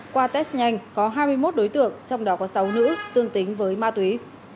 qua test nhanh có hai mươi một đối tượng trong đó có sáu nữ dương tính với ma túy